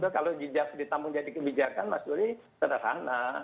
kalau ditampung jadi kebijakan mas juri sederhana